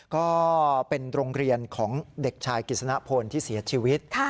ก็เป็นโรงเรียนของเด็กชายกฤษณพลที่เสียชีวิต